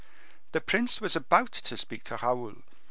The prince was about to speak to Raoul.